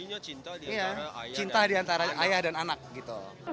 cinta di antara ayah dan anak gitu